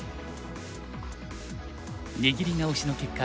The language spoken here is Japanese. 握り直しの結果